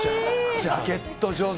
ジャケット上手。